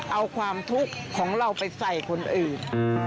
เอาความทุกข์ของเราไปใส่คนอื่น